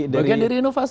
bagian dari inovasi